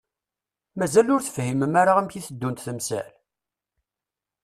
Mazal ur tefhimem ara amek i teddunt temsal?